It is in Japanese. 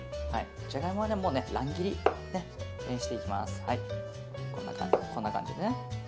ジャガイモは乱切りにしていきます。